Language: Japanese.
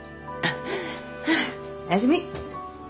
おやすみ。